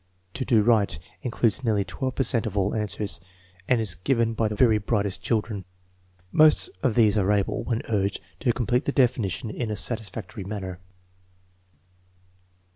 "To do right" includes nearly 12 per cent of all answers, and is given by the very brightest children. Most of these are able, when urged, to complete the definition in a satisfactory manner.